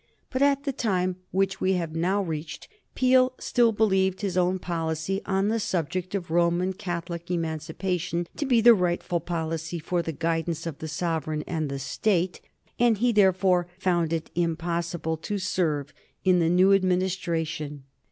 But at the time which we have now reached Peel still believed his own policy on the subject of Roman Catholic Emancipation to be the rightful policy for the guidance of the sovereign and the State, and he therefore found it impossible to serve in the new Administration.